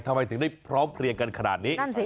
ทำไมถึงได้พร้อมเพลียงกันขนาดนี้